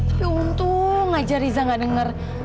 tapi untung aja riza gak denger